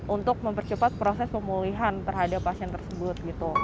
untuk mempercepat proses pemulihan terhadap pasien tersebut